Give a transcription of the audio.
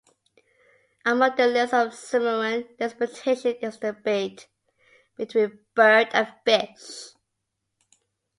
Among the list of Sumerian disputations is the Debate between bird and fish.